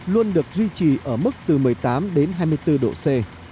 luôn được duy trì ở mức từ một mươi tám đến hai mươi bốn độ c